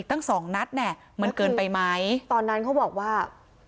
ตั้งสองนัดเนี่ยมันเกินไปไหมตอนนั้นเขาบอกว่า